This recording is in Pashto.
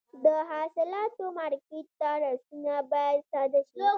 د حاصلاتو مارکېټ ته رسونه باید ساده شي.